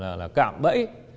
rồi là cảm bẫy